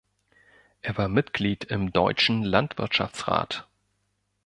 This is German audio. Er war Mitglied im Deutschen Landwirtschaftsrat.